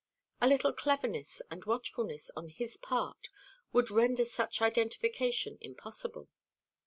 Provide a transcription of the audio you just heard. A little cleverness and watchfulness on his part would render such identification impossible.